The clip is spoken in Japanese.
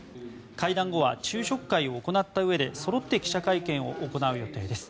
会談後は昼食会を行ったうえでそろって記者会見を行う予定です。